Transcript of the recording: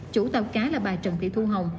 chủ tàu cá là bà trần thị thu hồng